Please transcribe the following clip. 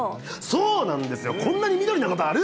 そうなんですよ、こんなに緑なことある？